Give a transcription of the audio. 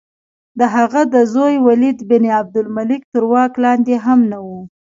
د هغه د زوی ولید بن عبدالملک تر واک لاندې هم نه وه.